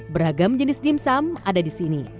beragam jenis dimsum ada di sini